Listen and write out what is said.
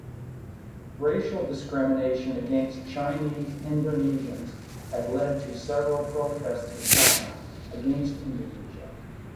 Racial discrimination against Chinese Indonesians had led to several protests in China against Indonesia.